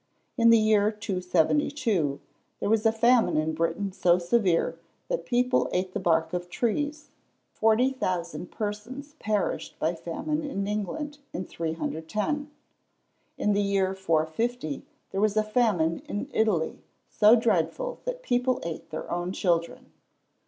In the year 272 there was a famine in Britain so severe that people ate the bark of trees; forty thousand persons perished by famine in England in 310! In the year 450 there was a famine in Italy so dreadful that people ate their own children.